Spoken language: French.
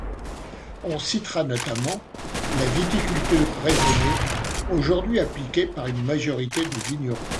On citera notamment la viticulture raisonnée, aujourd'hui appliqué par une majorité de vignerons.